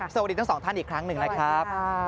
สวัสดีทั้งสองท่านอีกครั้งหนึ่งนะครับ